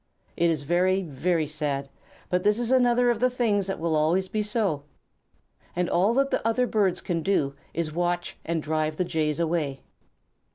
It is very, very sad, but this is another of the things which will always be so, and all that the other birds can do is to watch and drive the Jays away.